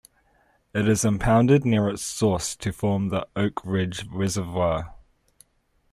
It is impounded near its source to form the Oak Ridge Reservoir.